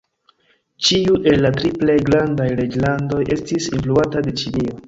Ĉiu el la tri plej grandaj reĝlandoj estis influata de Ĉinio.